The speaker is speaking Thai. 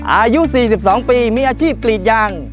อายุ๔๒ปีมีอาชีพกรีดยาง